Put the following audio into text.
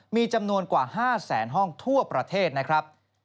มีจำนวนกว่า๕แสนห้องทั่วประเทศนะครับ